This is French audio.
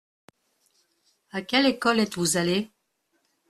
À quelle école êtes-vous allé ?